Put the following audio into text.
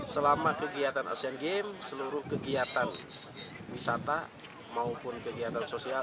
selama kegiatan asean games seluruh kegiatan wisata maupun kegiatan sosial